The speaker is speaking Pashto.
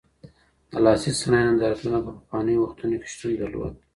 د لاسي صنایعو نندارتونونه په پخوانیو وختونو کي شتون درلود؟